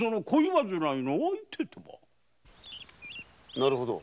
なるほど。